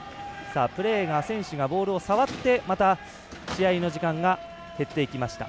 プレーが選手がボールを触ってまた試合の時間が減っていきました。